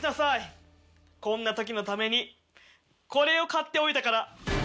こんな時のためにこれを買っておいたから。